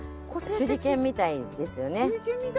手裏剣みたいですね！